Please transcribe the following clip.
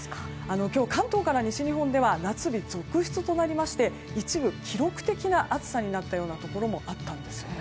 今日、関東から西日本では夏日続出となりまして一部、記録的な暑さになったようなところもあったんです。